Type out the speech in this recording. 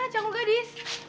mana canggul gadis